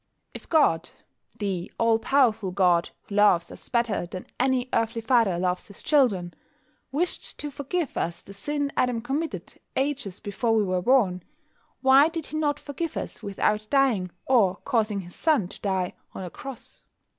If God (the All powerful God, who loves us better than an earthly father loves his children) wished to forgive us the sin Adam committed ages before we were born, why did He not forgive us without dying, or causing His Son to die, on a cross?